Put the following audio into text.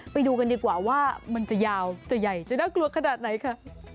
ไปดูกันดีกว่าว่ามันจะยาวจะใหญ่จะน่ากลัวขนาดไหนค่ะ